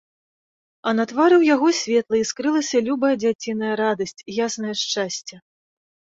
А на твары ў яго светла іскрылася любая дзяціная радасць, яснае шчасце.